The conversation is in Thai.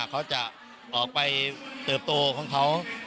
เขาจะออกไปเติบโตของเขา